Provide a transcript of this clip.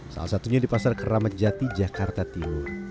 salah satunya di pasar keramat jati jakarta timur